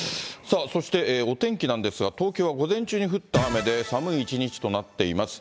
そしてお天気なんですが、東京は午前中に降った雨で、寒い一日となっています。